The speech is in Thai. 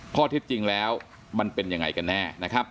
ข้อทิศจริงแล้วมันเป็นอย่างไรกันแน่